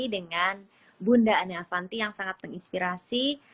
dengan bunda nia fanti yang sangat menginspirasi